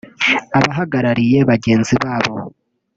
abahagariye bagenzi babo